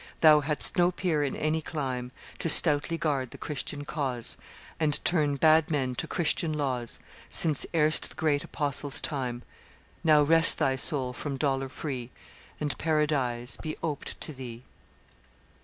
Thou hadst no peer in any clime To stoutly guard the Christian cause And turn bad men to Christian laws, Since erst the great Apostles' time. Now rest thy soul from dolor free, And Paradise be oped to thee!